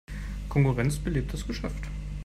Konkurrenz belebt das Geschäft.